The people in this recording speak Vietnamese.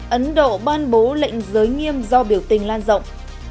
ấn độ ban bố lệnh giới nghiêm do biểu tình lan rộng